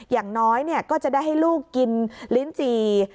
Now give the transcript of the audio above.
อย่างน้อยก็จะได้ให้ลูกกินลิ้นจี่